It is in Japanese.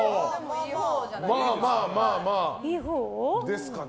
まあまあ、まあまあですかね。